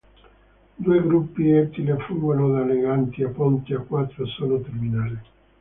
Due gruppi etile fungono da leganti a ponte e quattro sono terminali.